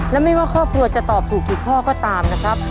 และไม่ว่าครอบครัวจะตอบถูกกี่ข้อก็ตามนะครับ